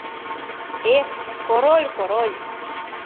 Эх, Король, Король!